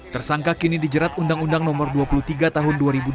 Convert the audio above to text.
tersangka kini dijerat undang undang no dua puluh tiga tahun dua ribu dua belas